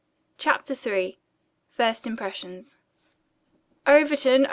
CHAPTER III FIRST IMPRESSIONS "Overton!